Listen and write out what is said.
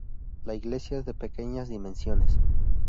La iglesia es de pequeñas dimensiones.